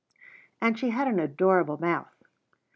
And she had an adorable mouth.